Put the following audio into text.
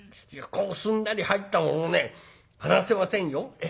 こうすんなり入ったものをね離せませんよ。え？